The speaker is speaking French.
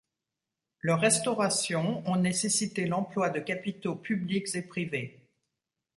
Leurs restaurations ont nécessité l'emploi de capitaux publics et privés.